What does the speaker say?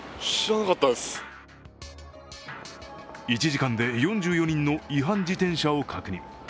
１時間で４４人の違反自転車を確認